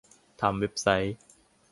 ทำเว็บไซต์